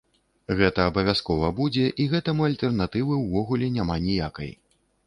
Гэта абавязкова будзе і гэтаму альтэрнатывы ўвогуле няма ніякай.